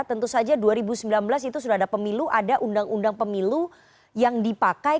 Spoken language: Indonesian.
tentu saja dua ribu sembilan belas itu sudah ada pemilu ada undang undang pemilu yang dipakai